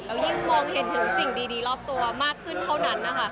แล้วยิ่งมองเห็นถึงสิ่งดีรอบตัวมากขึ้นเท่านั้นนะคะ